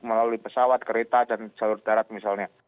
melalui pesawat kereta dan jalur darat misalnya